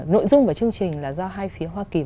nội dung và chương trình là do hai phía hoa kỳ